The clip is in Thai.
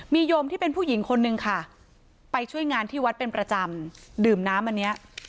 มีโยมที่เป็นผู้หญิงคนนึงค่ะไปช่วยงานที่วัดเป็นประจำดื่มน้ำอันนี้